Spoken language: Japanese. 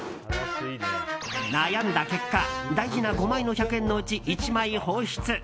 悩んだ結果大事な５枚の１００円のうち１枚放出。